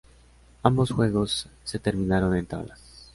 Ambos juegos se terminaron en tablas.